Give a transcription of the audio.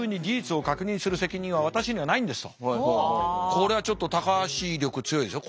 これはちょっと高橋力強いですよ